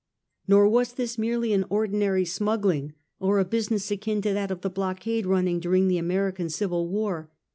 Nor was this merely an ordinary smuggling, or a business akin to that of the block tide r unning during the American civil war.